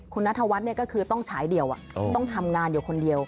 คุณนัทวัฒน์ก็คือต้องฉายเดี่ยวต้องทำงานอยู่คนเดียว